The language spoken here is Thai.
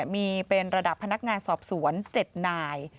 มีเป็นระดับพนักงานสอบสวน๗นาย